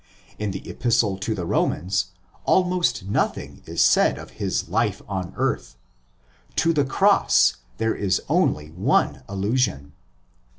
In the Epistle to the Romans almost nothing is said of his life on earth: to the cross there is only one allusion (vi.